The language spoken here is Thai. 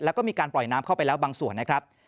แล้วก็มีการปล่อยน้ำเข้าไปแล้วบางส่วนนะครับ